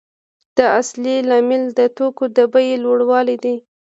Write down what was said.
دا اصلي لامل د توکو د بیې لوړوالی دی